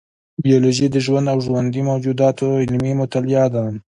بیولوژي د ژوند او ژوندي موجوداتو علمي مطالعه ده